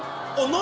何？